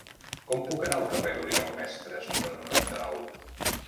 Com puc anar al carrer d'Oriol Mestres número noranta-nou?